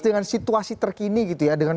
dengan situasi terkini gitu ya dengan